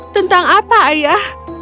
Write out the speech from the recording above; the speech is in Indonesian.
tentang apa ayah